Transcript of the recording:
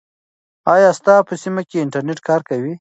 آیا ستا په سیمه کې انټرنیټ کار کوي؟